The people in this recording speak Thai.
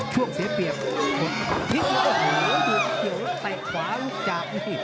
ดูใกล้ัดเดียวล่ะแตกขวาลุกจากนี่